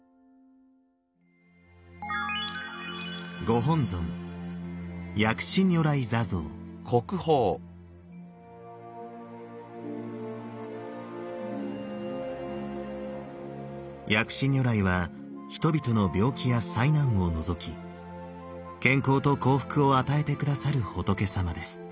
ご本尊薬師如来は人々の病気や災難を除き健康と幸福を与えて下さる仏様です。